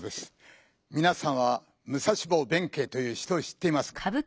みなさんは武蔵坊弁慶という人を知っていますか？